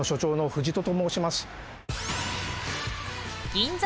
銀座